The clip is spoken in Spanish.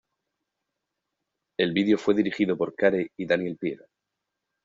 El vídeo fue dirigido por Carey y Daniel Pearl.